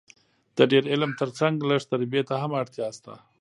د ډېر علم تر څنګ لږ تربیې ته هم اړتیا سته